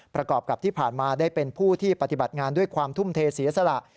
ประกอบกับที่ผ่านมาได้เป็นผู้ที่ปฏิบัติงานด้วยความทุ่มเทเสียสละ